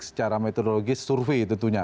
secara metodologis survei tentunya